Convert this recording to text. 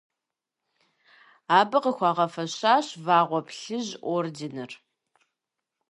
Абы къыхуагъэфэщащ Вагъуэ Плъыжь орденыр.